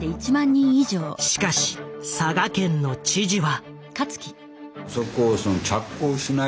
しかし佐賀県の知事は。